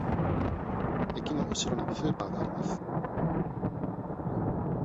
駅のうしろにスーパーがあります。